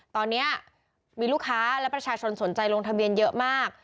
ตอนนี้มีลูกค้าและประชาชนสนใจลงทะเบียนเยอะมาก